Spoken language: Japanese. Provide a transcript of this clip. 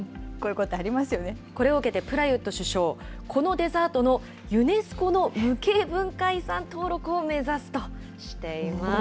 これを受けてプラユット首相、このデザートのユネスコの無形文化遺産登録を目指すとしています。